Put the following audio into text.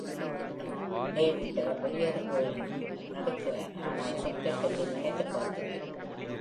David அவர் வெளியேறுவது போல் நடிக்கிறார், ஆனால் சொத்தை பற்றி நினைத்து பார்க்கிறார்.